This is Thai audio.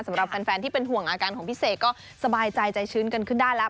สำหรับแฟนที่เป็นห่วงอาการของพี่เสกก็สบายใจใจชื้นกันขึ้นได้แล้ว